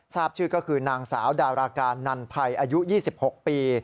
ทราบชื่อก็คือนางสาวดาราการนันภัยอายุ๒๖ปี